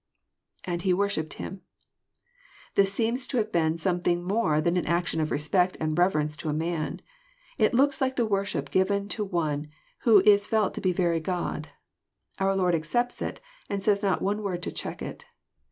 {_And he vwrshipped Mm,'] This seems to have been some thing more than an action of respect and reverence to a man. It looks like the worship given to One who was felt to be very God. Our Lord accepts itrand says not one word to check it.